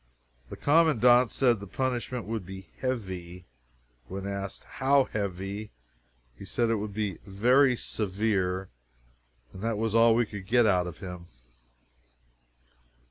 The commandant said the punishment would be "heavy;" when asked "how heavy?" he said it would be "very severe" that was all we could get out of him.